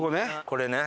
これね。